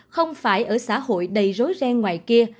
không phải ở xã hội đầy rối reng ngoài kia